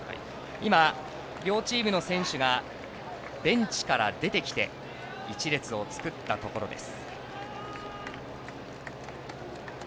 今、両チームの選手がベンチから出てきて一列を作ったところです。